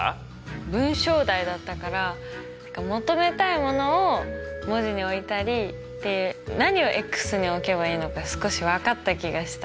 文章題だったから求めたいものを文字に置いたりって何をに置けばいいのか少し分かった気がした。